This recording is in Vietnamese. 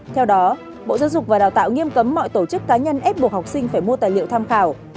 theo đó bộ giáo dục và đào tạo nghiêm cấm mọi tổ chức cá nhân ép buộc học sinh phải mua tài liệu tham khảo